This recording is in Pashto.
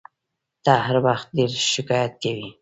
ته هر وخت ډېر شکایت کوې !